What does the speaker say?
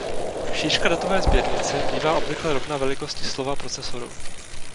Šířka datové sběrnice bývá obvykle rovna velikosti slova procesoru.